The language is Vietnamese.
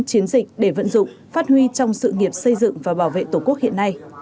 chiến dịch để vận dụng phát huy trong sự nghiệp xây dựng và bảo vệ tổ quốc hiện nay